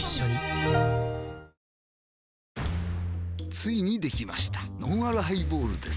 ついにできましたのんあるハイボールです